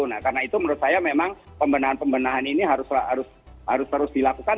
nah karena itu menurut saya memang pembenahan pembenahan ini harus terus dilakukan